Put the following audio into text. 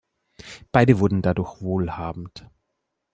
Beide wurden dadurch wohlhabend.